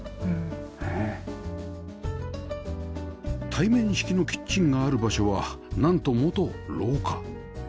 対面式のキッチンがある場所はなんと元廊下